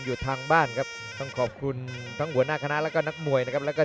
๓คู่ที่ผ่านมานั้นการันตีถึงความสนุกดูดเดือดที่แฟนมวยนั้นสัมผัสได้ครับ